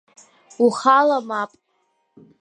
Ухала мап!